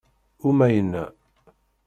Umayna.